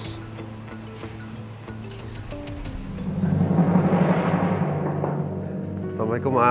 iya karena perang bunch